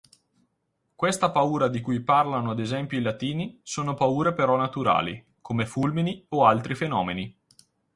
Questa paura di cui parlano ad esempio i latini sono paure però naturali, come fulmini o altri fenomeni